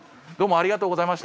ありがとうございます。